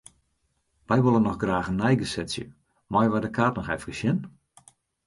Wy wolle noch graach in neigesetsje, meie wy de kaart noch efkes sjen?